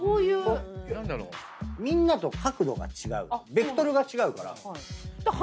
ベクトルが違うから。